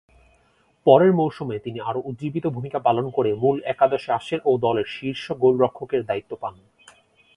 পরের মৌসুমে তিনি আরো উজ্জ্বীবিত ভূমিকা পালন করে মূল একাদশে আসেন ও দলের শীর্ষ গোলরক্ষকের দায়িত্ব পান।